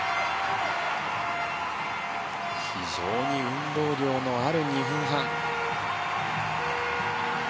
非常に運動量のある２分半。